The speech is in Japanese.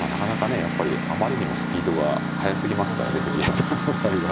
やっぱりあまりにもスピードが速すぎますからね藤井さんの場合は。